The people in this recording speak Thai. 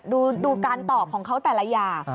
ดูการตอบของเขาแต่ละอย่าง